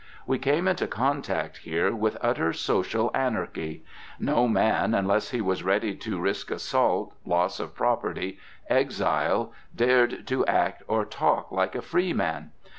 We came into contact here with utter social anarchy. No man, unless he was ready to risk assault, loss of property, exile, dared to act or talk like a freeman.